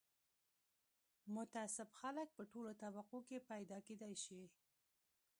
متعصب خلک په ټولو طبقو کې پیدا کېدای شي